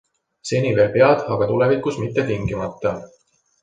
Seni veel pead, aga tulevikus mitte tingimata.